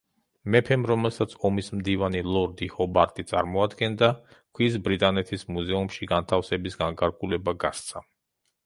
მეფემ, რომელსაც ომის მდივანი ლორდი ჰობარტი წარმოადგენდა, ქვის ბრიტანეთის მუზეუმში განთავსების განკარგულება გასცა.